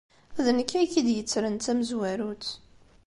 D nekk ay k-id-yettren d tamezwarut.